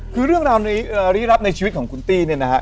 คือเรื่องราวลี้ลับในชีวิตของคุณตี้เนี่ยนะฮะ